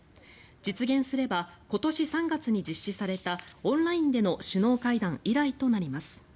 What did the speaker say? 実現すれば今年３月に実施されたオンラインでの首脳会談以来となります。